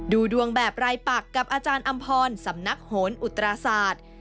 ดูดวงแบบรายปักกับอาจารย์อำพรสำนักโหนอุตราศาสตร์